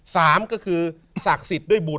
สามก็คือศักดิ์สิทธิ์ด้วยบุญ